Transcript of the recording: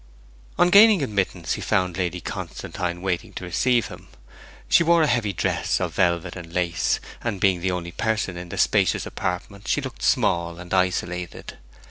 On gaining admittance he found Lady Constantine waiting to receive him. She wore a heavy dress of velvet and lace, and being the only person in the spacious apartment she looked small and isolated.